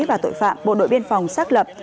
và tội phạm bộ đội biên phòng xác lập